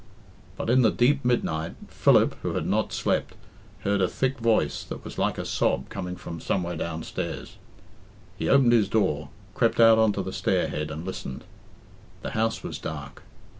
But in the deep midnight, Philip, who had not slept, heard a thick voice that was like a sob coming from somewhere downstairs. He opened his door, crept out on to the stairhead, and listened. The house was dark.